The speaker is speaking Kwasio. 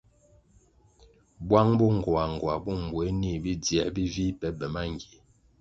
Bwang bo ngoangoa bo mbweh nih bidzioe bivih pe be mangie.